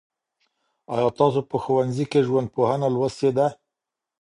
آیا تاسو په ښوونځي کي ژوندپوهنه لوستې ده؟